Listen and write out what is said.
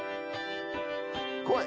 来い。